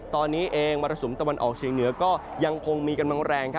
ตอนนี้เองมรสุมตะวันออกเชียงเหนือก็ยังคงมีกำลังแรง